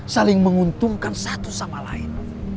saling menguntungkan satu sama lain